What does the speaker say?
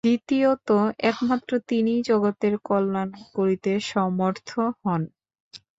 দ্বিতীয়ত একমাত্র তিনিই জগতের কল্যাণ করিতে সমর্থ হন।